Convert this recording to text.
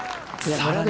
さらに。